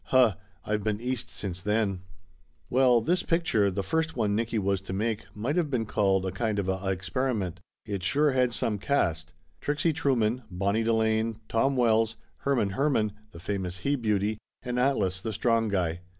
"Huh! I've been East since then!" 287 288 Laughter Limited Well, this picture, the first one Nicky was to make, might of been called a kind of a experiment. It sure had some cast. Trixie Trueman, Bonnie Delane, Tom Wells, Herman Herman, the famous he beauty, and Atlas, the strong guy.